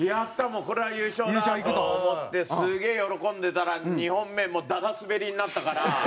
もうこれは優勝だと思ってすげえ喜んでたら２本目もうだだスベりになったから。